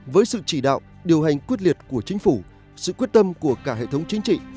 với sự chỉ đạo điều hành quyết liệt của chính phủ sự quyết tâm của cả hệ thống chính trị